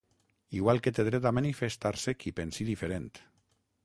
Igual que té dret a manifestar-se qui pensi diferent.